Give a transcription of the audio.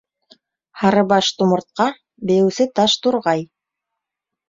Һарыбаш Тумыртҡа, Бейеүсе Таш Турғай...